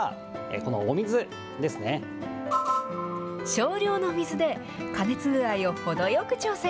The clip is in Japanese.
少量の水で加熱具合をほどよく調整。